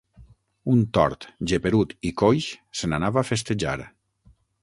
Un tort, geperut i coix, se n’anava a festejar.